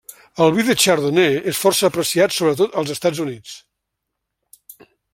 El vi de chardonnay és força apreciat sobretot als Estats Units.